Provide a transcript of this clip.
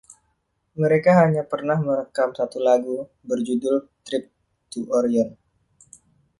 Mereka hanya pernah merekam satu lagu, berjudul “Trip to Orion.”